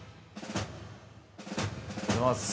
おはようございます。